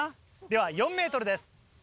では４ｍです。